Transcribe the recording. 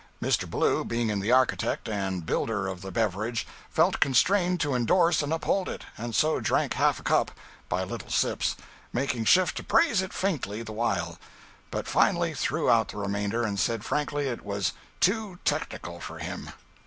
Mr. Ballou, being the architect and builder of the beverage felt constrained to endorse and uphold it, and so drank half a cup, by little sips, making shift to praise it faintly the while, but finally threw out the remainder, and said frankly it was "too technical for him."